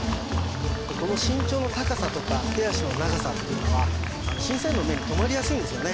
この身長の高さとか手足の長さっていうのは審査員の目に留まりやすいんですよね